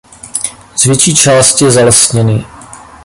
Z větší části je zalesněný.